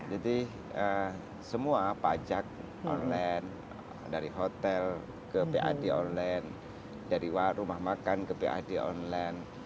jadi semua pajak online dari hotel ke pad online dari rumah makan ke pad online